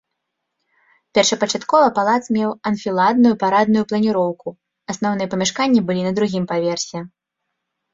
Першапачаткова палац меў анфіладную парадную планіроўку, асноўныя памяшканні былі на другім паверсе.